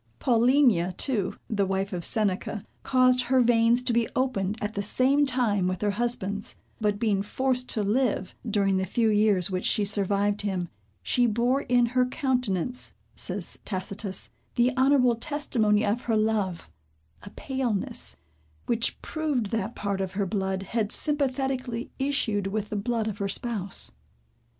Paulinia too, the wife of Seneca, caused her veins to be opened at the same time with her husband's, but being forced to live, during the few years which she survived him, "she bore in her countenance," says Tacitus, "the honorable testimony of her love, a paleness, which proved that part of her blood had sympathetically issued with the blood of her spouse."